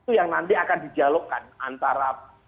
itu yang nanti akan didialogkan antara